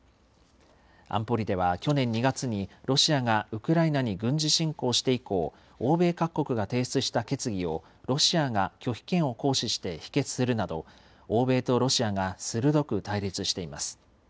安保理では去年２月にロシアがウクライナに軍事侵攻して以降、欧米各国が提出した決議をロシアが拒否権を行使して否決するなど、欧米とロシアが鋭く対立しています。